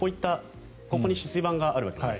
ここに止水板があるわけです。